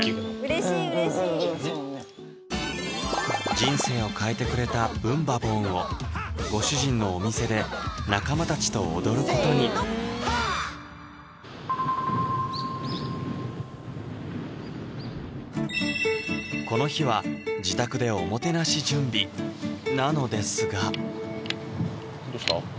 人生を変えてくれた「ブンバ・ボーン！」をご主人のお店で仲間たちと踊ることにこの日はなのですがどうした？